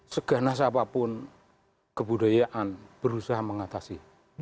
segana siapapun kebudayaan berusaha mengatasi